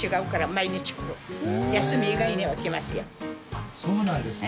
あっそうなんですね。